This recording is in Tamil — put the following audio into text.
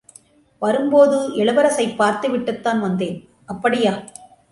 வரும்போது இளவரசைப் பார்த்து விட்டுத்தான் வந்தேன். அப்படியா?